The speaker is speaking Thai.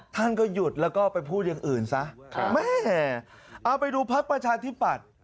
ท่านก็หยุดแล้วก็ไปพูดอย่างอื่นซะแม่เอาไปดูพักประชาธิปัตย์